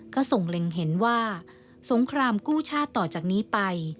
ก็ส่งเล็งเห็นว่าสงครามกู้ชาติต่อจากนี้ไป